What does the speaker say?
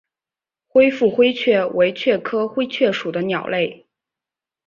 灰腹灰雀为雀科灰雀属的鸟类。